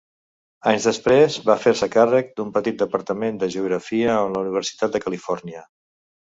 Anys després va fer-se càrrec d’un petit departament de Geografia en la Universitat de Califòrnia.